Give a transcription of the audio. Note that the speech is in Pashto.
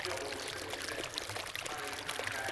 ولي هڅاند سړی د ذهین سړي په پرتله بریا خپلوي؟